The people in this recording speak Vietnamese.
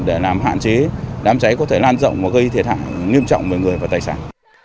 để làm hạn chế đám cháy có thể lan rộng và gây thiệt hại nghiêm trọng với người và tài sản